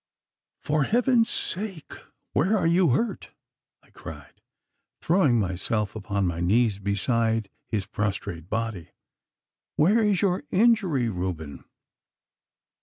'For Heaven's sake where are you hurt?' I cried, throwing myself upon my knees beside his prostrate body. 'Where is your injury, Reuben?